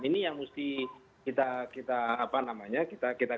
ini yang mesti kita